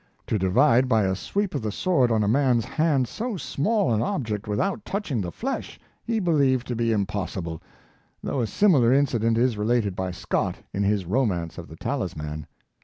To divide by a sweep of the sword on a man's hand so small an object without touching the flesh he believed to be impossible, though a similar incident is related by Scott in his romance of the "Talisman."